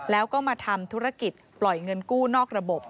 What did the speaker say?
แล้วก็มาทำธุรกิจปล่อยเงินกู้นอกระบบ